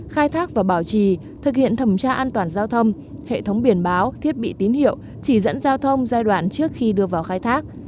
khai thác và bảo trì thực hiện thẩm tra an toàn giao thông hệ thống biển báo thiết bị tín hiệu chỉ dẫn giao thông giai đoạn trước khi đưa vào khai thác